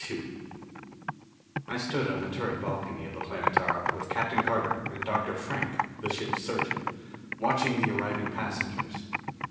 II I stood on the turret balcony of the Planetara with Captain Carter and Dr. Frank, the ship surgeon, watching the arriving passengers.